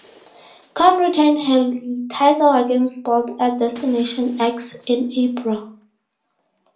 Kong retained her title against Bolt at "Destination X" in April.